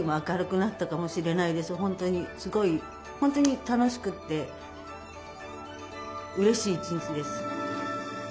本当にすごい本当に楽しくてうれしい一日です。